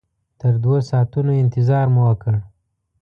تر دوو ساعتونو انتظار مو وکړ.